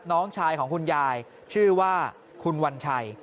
น้องชายของคุณยายชื่อว่าคุณวัญชัย